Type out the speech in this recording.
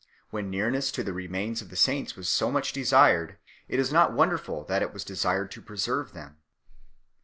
When nearness to the remains of the saints was so much desired, it is not wonderful that it was desired to preserve them.